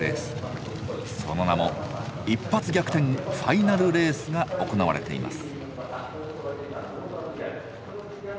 その名も「一発逆転ファイナルレース」が行われています。